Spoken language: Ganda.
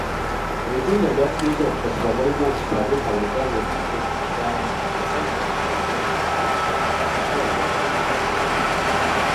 Ebitundu ebyasinze okukosebwa mulimu Busaru, Harugale, Ngite, Bubukwanga Ntotoro, Tokwe, Kisuuba, Bukonzo, Sindira, n'ebirala.